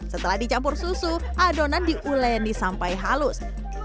setelah dicampur susu adonan diuleni sampai halus